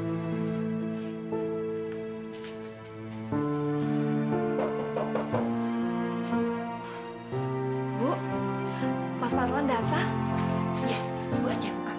iya bu aja bukakan ya